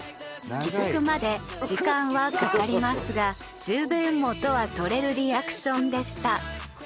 気づくまで時間はかかりますが十分元は取れるリアクションでした。